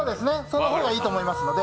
その方がいいと思いますので。